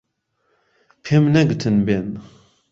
پێم نەگوتن بێن.